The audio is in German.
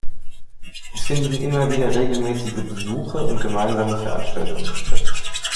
Es finden immer wieder regelmäßige Besuche und gemeinsame Veranstaltungen statt.